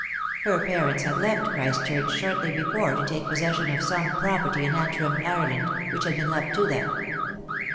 Her parents had left Christchurch shortly before to take possession of some property in Antrim, Ireland, which had been left to them.